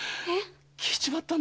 聞いちまったんだ